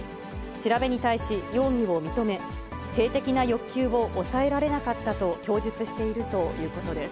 調べに対し容疑を認め、性的な欲求を抑えられなかったと供述しているということです。